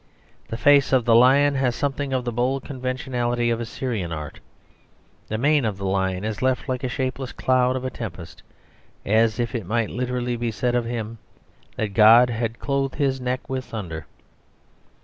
The face of the lion has something of the bold conventionality of Assyrian art. The mane of the lion is left like a shapeless cloud of tempest, as if it might literally be said of him that God had clothed his neck with thunder.